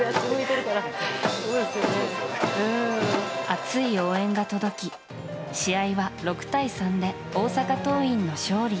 熱い応援が届き試合は６対３で大阪桐蔭の勝利。